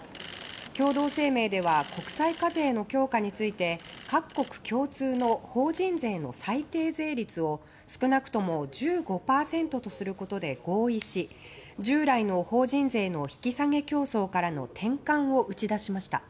共同声明では国際課税の強化について各国共通の法人税の最低税率を少なくとも１５％とすることで合意し従来の法人税の引き下げ競争からの転換を打ち出しました。